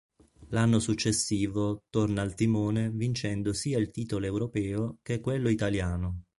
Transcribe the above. L'anno successivo torna al timone vincendo sia il titolo Europeo che quello Italiano.